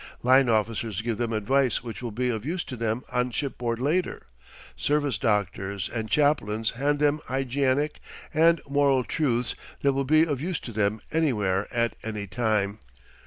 Line officers give them advice which will be of use to them on shipboard later; service doctors and chaplains hand them hygienic and moral truths that will be of use to them anywhere at any time.